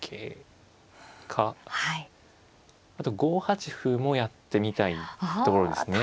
あと５八歩もやってみたいところですね。